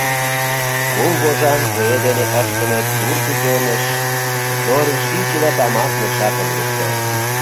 Кум вожан куэ дене ыштыме тур пӱкеныш Зорин шинче да тамак мешакым лукто.